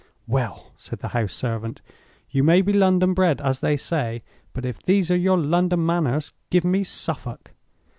"Well!" said the house servant, "you may be London bred, as they say. But if these are your London manners, give me Suffolk!"